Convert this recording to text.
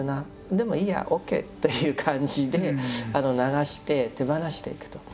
でもいいやＯＫという感じで流して手放していくと。